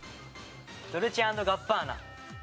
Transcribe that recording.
ドルチェ＆ガッバーナ。